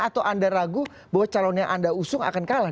atau anda ragu bahwa calon yang anda usung akan kalah